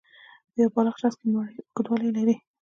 په یو بالغ شخص کې مرۍ اوږدوالی لري.